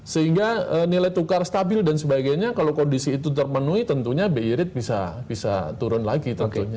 sehingga nilai tukar stabil dan sebagainya kalau kondisi itu termenuhi tentunya bireit bisa turun lagi